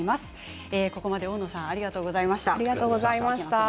大野さんありがとうございました。